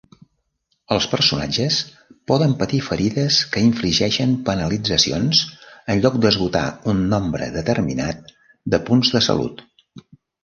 Els personatges poden patir ferides que infligeixen penalitzacions en lloc d'esgotar un nombre determinat de punts de salut.